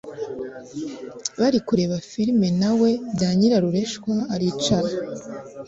bari kureba Film nawe byanyirarureshwa aricara